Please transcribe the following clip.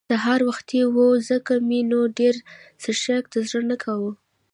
سهار وختي وو ځکه مې نو ډېر څښاک ته زړه نه کاوه.